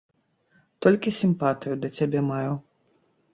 Толькі сімпатыю да цябе маю.